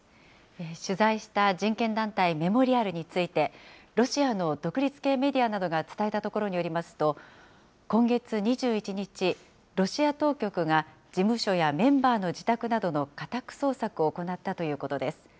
取材した人権団体、メモリアルについて、ロシアの独立系メディアなどが伝えたところによりますと、今月２１日、ロシア当局が、事務所やメンバーの自宅などの家宅捜索を行ったということです。